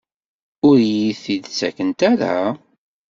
Ur iyi-t-id-ttakent ara?